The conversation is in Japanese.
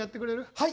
はい。